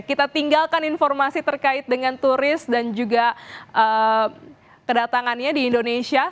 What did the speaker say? kita tinggalkan informasi terkait dengan turis dan juga kedatangannya di indonesia